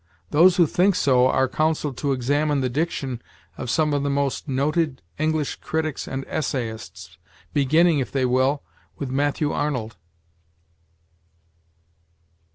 Those who think so are counseled to examine the diction of some of the most noted English critics and essayists, beginning, if they will, with Matthew Arnold.